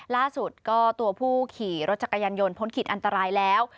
ล่าสุดก็ตัวผู้ขี่รถจักรยานยนต์พ้นขีดอันตรายแล้ว